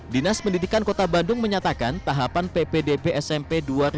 dinas pendidikan kota bandung menyatakan tahapan ppdb smp dua ribu dua puluh